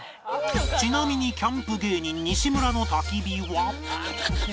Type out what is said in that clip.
ちなみにキャンプ芸人西村の焚き火は